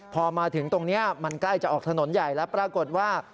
พอมาถึงตรงนี้มันใกล้จะออกถนนใหญ่แล้วปรากฏว่า